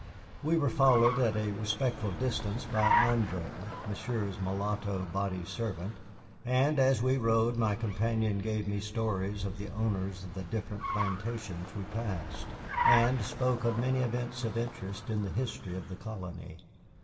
We were followed at a respectful distance by André, Monsieur's mulatto body servant, and as we rode my companion gave me stories of the owners of the different plantations we passed, and spoke of many events of interest in the history of the colony.